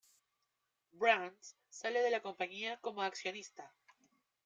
Brands sale de la compañía como accionista.